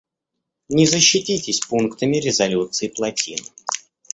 Не защититесь пунктами резолюций-плотин.